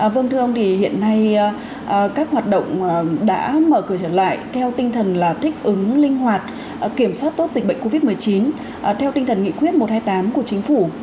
vâng thưa ông thì hiện nay các hoạt động đã mở cửa trở lại theo tinh thần là thích ứng linh hoạt kiểm soát tốt dịch bệnh covid một mươi chín theo tinh thần nghị quyết một trăm hai mươi tám của chính phủ